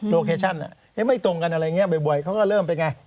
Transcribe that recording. เคชั่นไม่ตรงกันอะไรอย่างนี้บ่อยเขาก็เริ่มเป็นไง